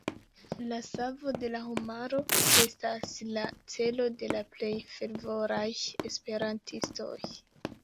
La savo de la homaro estas la celo de la plej fervoraj Esperantistoj.